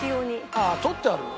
ああ取ってあるの？